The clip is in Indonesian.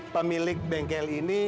pemilik bengkel ini